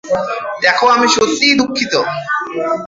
দেখ, আমি সত্যিই দুঃখিত!